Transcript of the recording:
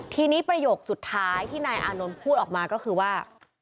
ทีนี้ประโยคสุดท้ายที่นายอานนท์พูดออกมาก็คือว่า